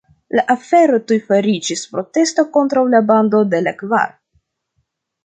La afero tuj fariĝis protesto kontraŭ la Bando de la Kvar.